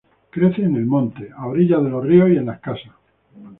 Crece en el monte, a orillas de los ríos y en las casas.